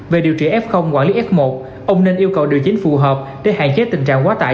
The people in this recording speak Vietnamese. về điều trị f quản lý f một ông nên yêu cầu điều chính phù hợp để hạn chế tình trạng quá tải